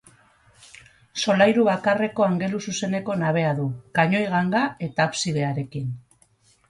Solairu bakarreko angeluzuzeneko nabea du, kanoi-ganga eta absidearekin.